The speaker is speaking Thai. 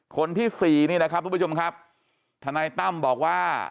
คนที่สี่นี่นะครับทุกผู้ชมครับทนายตั้มบอกว่า